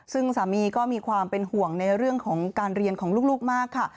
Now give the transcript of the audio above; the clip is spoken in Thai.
ซึ่งสามีก็มีความเป็นห่วงในเรื่องของการเรียนของลูกมากค่ะ